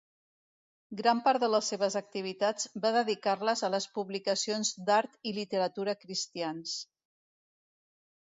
Gran part de les seves activitats va dedicar-les a les publicacions d'art i literatura cristians.